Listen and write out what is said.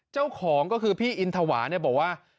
เจ้าของก็คือพี่อินทวาเนี่ยบอกว่า